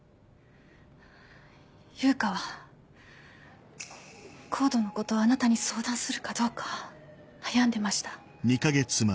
悠香はＣＯＤＥのことをあなたに相談するかどうか悩んでました。